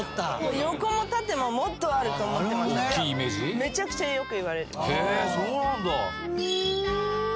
「横も縦ももっとあると思ってましたってめちゃくちゃよく言われる」